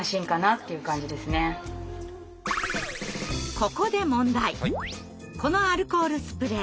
ここでこのアルコールスプレー